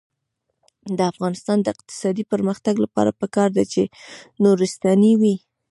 د افغانستان د اقتصادي پرمختګ لپاره پکار ده چې نورستاني وي.